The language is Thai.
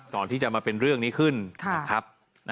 ก่อนที่จะมาเป็นเรื่องนี้ขึ้นนะครับ